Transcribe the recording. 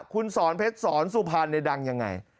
คุณสอนเพชรสอนสุพรรณดังยังไง